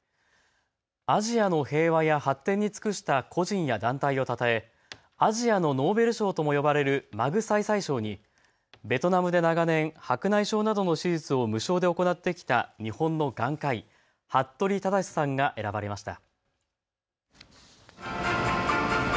アジアの平和や発展に尽くした個人や団体をたたえアジアのノーベル賞とも呼ばれるマグサイサイ賞にベトナムで長年白内障などの手術を無償で行ってきた日本の眼科医、服部匡志さんが選ばれました。